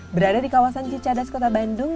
berada di kawasan cicadas kota bandung